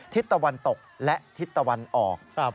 ทิศตะวันตกและทิศตะวันออก